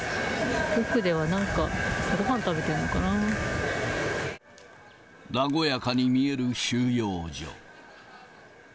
奥ではなんか、ごはん食べてるの和やかに見える収容所。